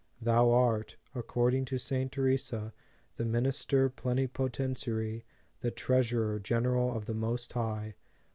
Thou art, according to St. Teresa, the Minister Plenipotentiary, the Treasurer Gen eral of the Most High.